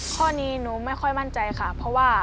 ข้อนี้หนูไม่ค่อยมั่นใจค่ะ